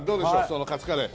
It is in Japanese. そのカツカレー。